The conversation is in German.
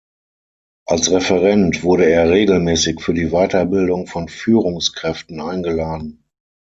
Als Referent wurde er regelmäßig für die Weiterbildung von Führungskräften eingeladen.